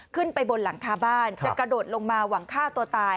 ขึ้นไปบนหลังคาบ้านจะกระโดดลงมาหวังฆ่าตัวตาย